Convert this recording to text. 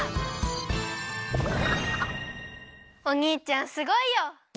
おにいちゃんすごいよ。